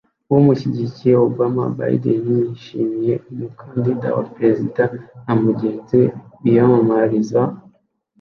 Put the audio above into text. Umushyigikiye Obama Biden yishimiye umukandida wa Perezida na mugenzi we biyamamariza